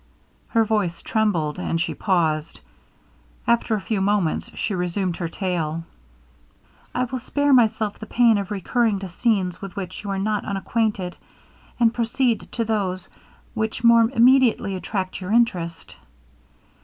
Her voice trembled, and she paused. After a few moments she resumed her tale. 'I will spare myself the pain of recurring to scenes with which you are not unacquainted, and proceed to those which more immediately attract your interest.